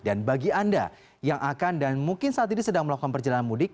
dan bagi anda yang akan dan mungkin saat ini sedang melakukan perjalanan mudik